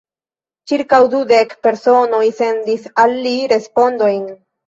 Ĉirkaŭ dudek personoj sendis al li respondojn.